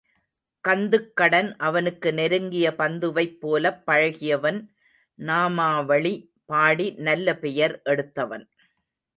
கந்துக்கடன் அவனுக்கு நெருங்கிய பந்துவைப் போலப் பழகியவன், நாமாவளி பாடி நல்ல பெயர் எடுத்தவன்.